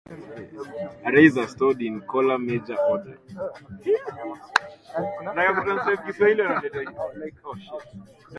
Arrays are stored in column-major order.